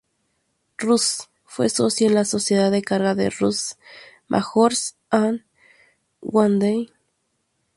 Russell fue socio en la sociedad de carga Russell, Majors and Waddell.